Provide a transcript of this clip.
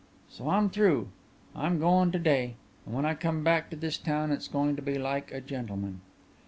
"So I'm through, I'm goin' to day. And when I come back to this town it's going to be like a gentleman."